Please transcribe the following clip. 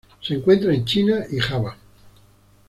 Se encuentra en China y Java.